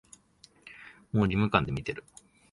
もう義務感で見てる